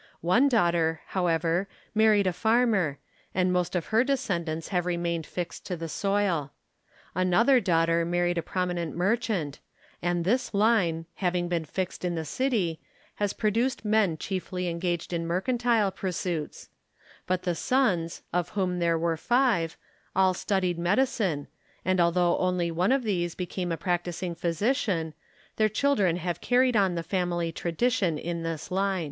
One daughter, however, married a farmer, and most of her descendants have remained fixed to the soil. Another daughter married a promi nent merchant, and this line, having been fixed in the city, has produced men chiefly engaged in mercantile pursuits ; but the sons, of whom there were five, all studied medicine, and although only one of these be came a practicing physician, their children have carried on the family tradition in this line.